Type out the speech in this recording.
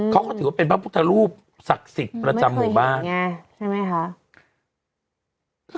เขาก็ถือว่าเป็นพระพุทธรูปศักดิ์สิทธิ์ประจำหมู่บ้านไม่เคยเห็นอย่างเงี้ยใช่ไหมคะ